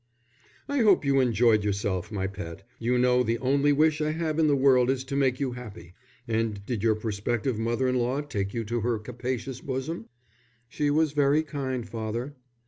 "I hope you enjoyed yourself, my pet. You know the only wish I have in the world is to make you happy. And did your prospective mother in law take you to her capacious bosom?" "She was very kind, father."